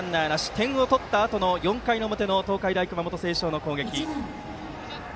点を取ったあとの４回の表の東海大熊本星翔の攻撃。